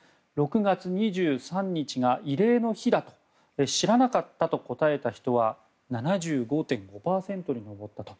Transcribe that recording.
６月２３日が慰霊の日だと知らなかったと答えた人は７５．５％に上ったと。